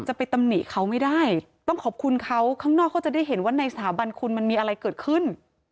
จะไปตำหนิเขาไม่ได้ต้องขอบคุณเขาข้างนอกเขาจะได้เห็นว่าในสถาบันคุณมันมีอะไรเกิดขึ้น